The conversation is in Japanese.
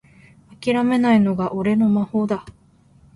あきらめないのが俺の魔法だ